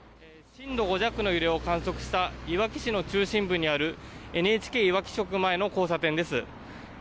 震度５弱の揺れを観測したいわき市の中心部にあるＮＨＫいわき支局前の交差点です。